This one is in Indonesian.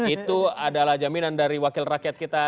itu adalah jaminan dari wakil rakyat kita